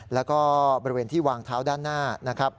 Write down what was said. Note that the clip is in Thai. แล้วก็บริเวณที่วางเท้าด้านหน้านะครับ